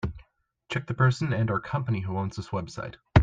Check the person and/or company who owns this website.